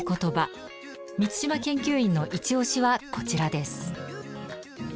満島研究員のイチオシはこちらです。